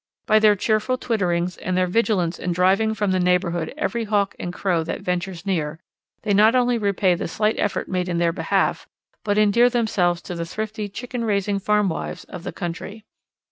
By their cheerful twitterings and their vigilance in driving from the neighbourhood every Hawk and Crow that ventures near, they not only repay the slight effort made in their behalf, but endear themselves to the thrifty chicken raising farm wives of the country.